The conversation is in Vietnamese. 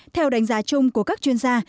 theo đánh giá chung của các chuyên gia